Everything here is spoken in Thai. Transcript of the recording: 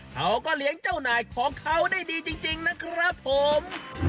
เขาก็เลี้ยงเจ้านายของเขาได้ดีจริงนะครับผม